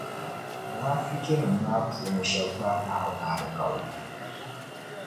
Munaafichinim’ maa puuni shεba gbaai Naawuni alikauli